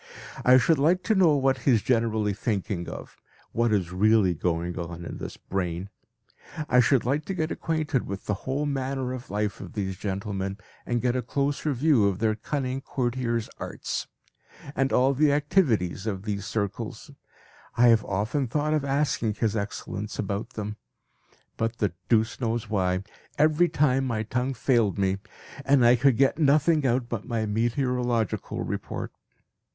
I should like to know what he is generally thinking of, what is really going on in this brain; I should like to get acquainted with the whole manner of life of these gentlemen, and get a closer view of their cunning courtiers' arts, and all the activities of these circles. I have often thought of asking His Excellence about them; but the deuce knows why! every time my tongue failed me and I could get nothing out but my meteorological report.